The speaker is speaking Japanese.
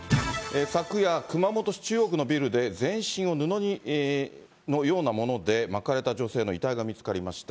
昨夜、熊本市中央区のビルで、全身を布のようなもので巻かれた女性の遺体が見つかりました。